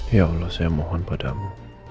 ya allah saya mohon padamu